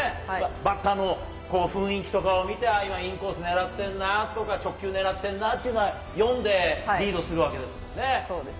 バッターの雰囲気とかを見て、あ、今、インコース狙ってるなとか、直球狙ってんなっていうのは、そうですね。